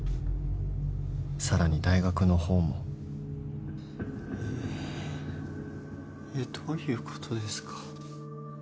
［さらに大学の方も］えーっ？どういうことですか？